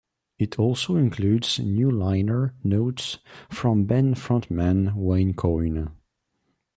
It also includes new liner notes from band frontman Wayne Coyne.